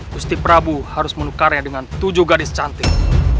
gusti prabu harus menukarnya dengan tujuh gadis cantik